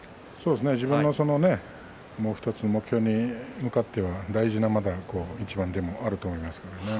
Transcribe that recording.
自分のもう１つの目標に向かって大事な一番でもあると思います。